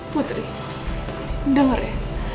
putri denger ya